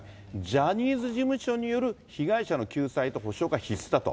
ジャニーズ事務所による被害者の救済と補償が必須だと。